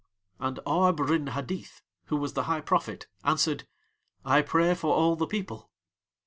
And Arb Rin Hadith, who was the High Prophet, answered: "I pray for all the People."